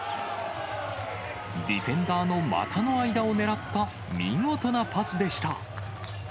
ディフェンダーの股の間を狙った見事なパスでした。